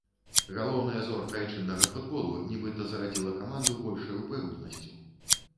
Галоўная зорка айчыннага футболу, нібыта зарадзіла каманду большай упэўненасцю.